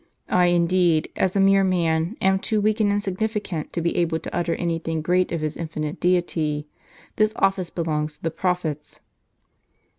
I indeed, as a mere man, am too weak and insignificant to be able to utter any thing great of His infinite Deity : this ofiice belongs to the prophets."